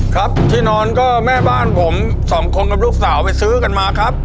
ครับที่นอนก็แม่บ้านผมสองคนกับลูกสาวไปซื้อกันมาครับ